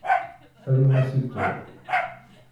Arum-as i Tom!